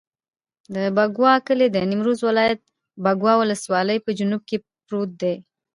د بکوا کلی د نیمروز ولایت، بکوا ولسوالي په جنوب کې پروت دی.